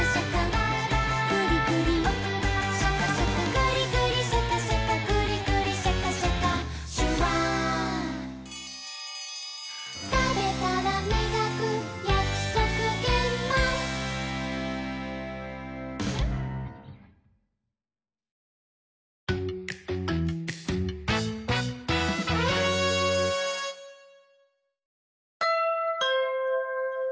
「グリグリシャカシャカグリグリシャカシャカ」「シュワー」「たべたらみがくやくそくげんまん」ピンポン。